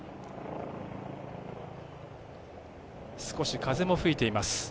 少し風も吹いています。